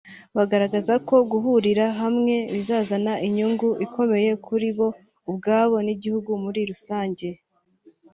bagaragaza ko guhurira hamwe bizazana inyungu ikomeye kuri bo ubwabo n’igihugu muri rusange